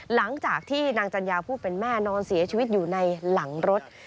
หลังจากที่นางจัญญาผู้เป็นแม่นอนเสียชีวิตอยู่ในหลังรถ